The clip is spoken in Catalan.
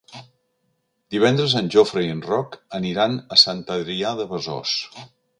Divendres en Jofre i en Roc aniran a Sant Adrià de Besòs.